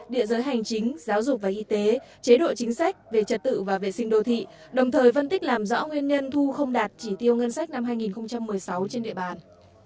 địa giới hành chính giáo dục và y tế chế độ chính sách về trật tự và vệ sinh đô thị đồng thời phân tích làm rõ nguyên nhân thu không đạt chỉ tiêu ngân sách năm hai nghìn một mươi sáu trên địa bàn